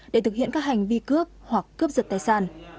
để thực hiện các hành vi cướp hoặc cướp giật tài sản